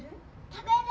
食べる！